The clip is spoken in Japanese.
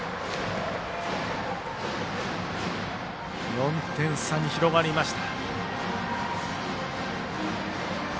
４点差に広がりました。